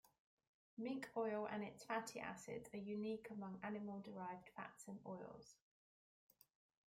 Mink oil and its fatty acids are unique among animal-derived fats and oils.